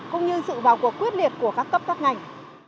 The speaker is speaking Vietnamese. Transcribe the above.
cũng như sự vào cuộc quyết liệt của các cấp các ngành